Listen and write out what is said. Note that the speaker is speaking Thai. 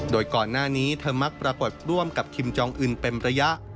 โดยก่อนหน้านี้เธอมักปรากฏร่วมกับคิมจองอื่นเป็นระยะ